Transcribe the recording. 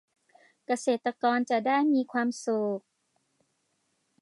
เกษตรกรจะได้มีความสุข